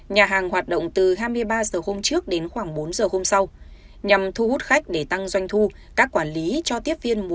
nhà hàng hoạt động từ hai mươi ba h hôm trước đến khoảng bốn giờ hôm sau nhằm thu hút khách để tăng doanh thu các quản lý cho tiếp viên mua